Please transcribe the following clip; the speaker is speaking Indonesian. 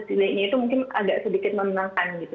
nafas setidaknya itu mungkin agak sedikit memenangkan gitu